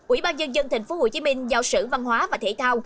ủy ban nhân dân tp hcm giao sử văn hóa và thể thao